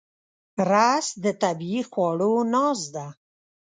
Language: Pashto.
رس د طبیعي خواړو ناز ده